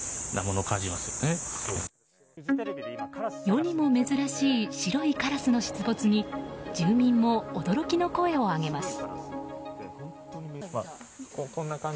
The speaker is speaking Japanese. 世にも珍しい白いカラスの出没に住民も驚きの声を上げます。